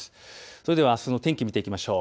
それではあすの天気を見ていきましょう。